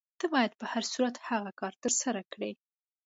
ته باید په هر صورت هغه کار ترسره کړې.